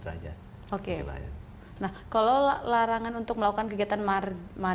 tidak boleh atas nama nasabatnya